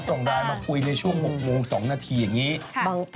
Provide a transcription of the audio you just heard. ส่งไลน์มาคุยในช่วง๖โมง๒นาทีอย่างนี้